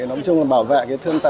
nó cũng chung là bảo vệ